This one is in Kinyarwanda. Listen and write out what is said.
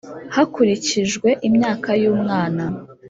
hakurikijwe imyaka y’umwana,